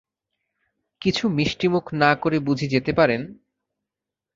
কিছু মিষ্টিমুখ না করে বুঝি যেতে পারেন!